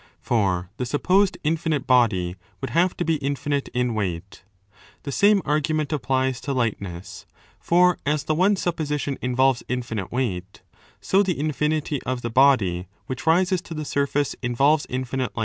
For the supposed infinite as body would have to be infinite in weight. (The same argu . ment applies to lightness: for as the one supposition involves 'infinite weight, so the infinity of the body which rises to the surface involves infinite lightness.)